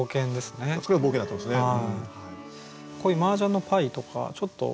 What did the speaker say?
これは冒険になってますね。